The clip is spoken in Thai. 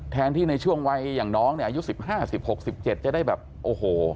แทนที่ในช่วงวัยอย่างน้องเนี่ยอายุ๑๕๑๖๑๗จะได้แบบโอ้โห